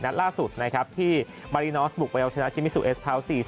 นัดล่าสุดที่มารินอสบุคเวลชนะชิมิสุเอสเท้า๔๓